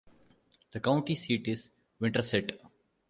The county seat is Winterset.